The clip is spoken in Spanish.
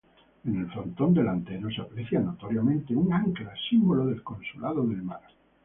En el frontón delantero se aprecia notoriamente un "ancla", símbolo del Consulado del Mar.